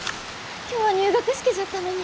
今日は入学式じゃったのに。